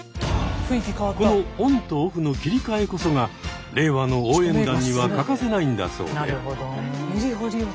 このオンとオフの切り替えこそが令和の応援団には欠かせないんだそうで。